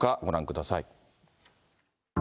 ご覧ください。